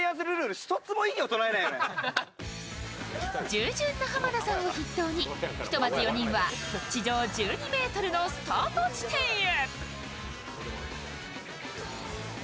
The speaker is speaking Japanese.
従順な濱田さんを筆頭に、ひとまず４人は、地上１２ｍのスタート地点へ。